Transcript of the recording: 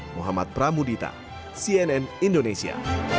muhammad pramudita cnn indonesia